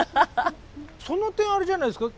その点あれじゃないですか？